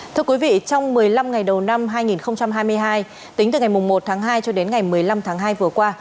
thưa quý vị trong một mươi năm ngày đầu năm hai nghìn hai mươi hai tính từ ngày một tháng hai cho đến ngày một mươi năm tháng hai vừa qua